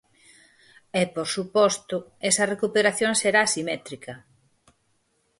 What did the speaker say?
E, por suposto, esa recuperación será asimétrica.